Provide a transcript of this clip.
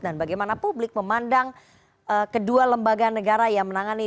dan bagaimana publik memandang kedua lembaga negara yang menangani